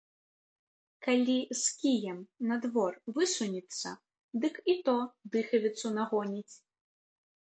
Калі з кіем на двор высунецца, дык і то дыхавіцу нагоніць.